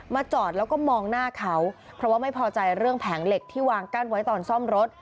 จอดแล้วก็มองหน้าเขาเพราะว่าไม่พอใจเรื่องแผงเหล็กที่วางกั้นไว้ตอนซ่อมรถ